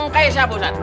kayak siapa ustadz